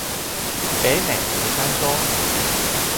北美十三州